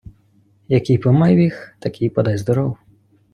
Який «помайбіг», такий «подайздоров».